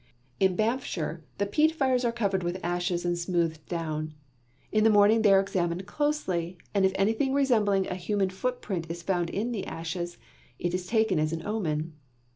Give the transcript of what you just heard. In Banffshire the peat fires are covered with ashes and smoothed down. In the morning they are examined closely, and if anything resembling a human footprint is found in the ashes, it is taken as an omen.